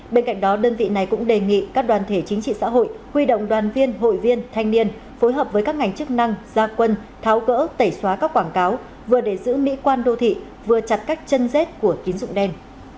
bên cạnh đó đơn vị này cũng đề nghị các đoàn thể chính trị xã hội huy động đoàn viên hội viên thanh niên phối hợp với các ngành chức năng gia quân tháo cỡ tẩy xóa các quảng cáo vừa để giữ mỹ quan đô thị vừa chặt các chân rết của tín dụng đen